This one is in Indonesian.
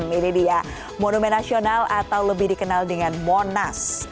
ini dia monumen nasional atau lebih dikenal dengan monas